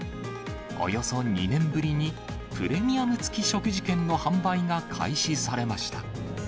およそ２年ぶりにプレミアム付き食事券の販売が開始されました。